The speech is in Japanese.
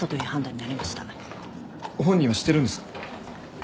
本人は知ってるんですか？